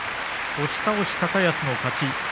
押し倒し、高安の勝ち。